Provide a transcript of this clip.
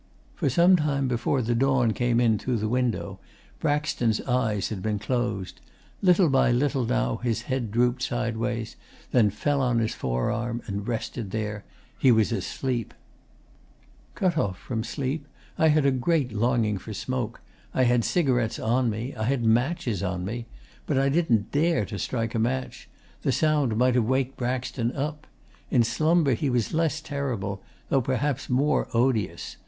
For some time before the dawn came in through the window, Braxton's eyes had been closed; little by little now his head drooped sideways, then fell on his forearm and rested there. He was asleep. 'Cut off from sleep, I had a great longing for smoke. I had cigarettes on me, I had matches on me. But I didn't dare to strike a match. The sound might have waked Braxton up. In slumber he was less terrible, though perhaps more odious.